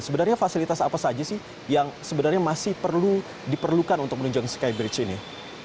sebenarnya fasilitas apa saja sih yang sebenarnya masih perlu diperlukan untuk menunjang skybridge ini